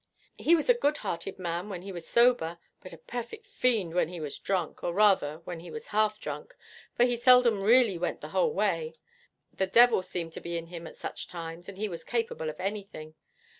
'He was a good hearted man when he was sober, but a perfect fiend when he was drunk, or rather when he was half drunk, for he seldom really went the whole way. The devil seemed to be in him at such times, and he was capable of anything.